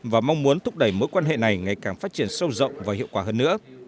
và mong muốn thúc đẩy mối quan hệ này ngày càng phát triển sâu rộng và hiệu quả hơn nữa